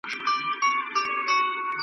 او ما په هغه پسي اقتداء کړې ده .